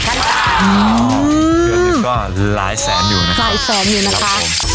ขั้นตามอ๋อเดือนนี้ก็หลายแสนอยู่นะคะจ่ายต่อเงินนะคะ